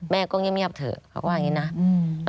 แม่ก็เงียบเถอะเขาว่าอย่างนี้นะ